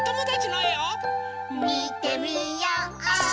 みてみよう！